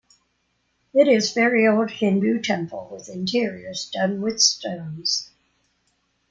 It is very old Hindu temple with interiors done with stones.